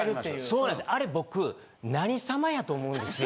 あれ僕何様やと思うんですよ。